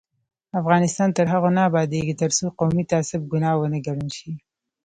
افغانستان تر هغو نه ابادیږي، ترڅو قومي تعصب ګناه ونه ګڼل شي.